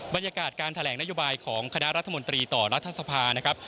บรรยากาศการแถลงนโยบายของคณะรัฐมนตรีต่อรัฐสภานะครับ